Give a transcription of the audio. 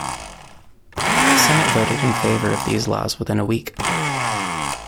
The Senate voted in favour of these laws within a week.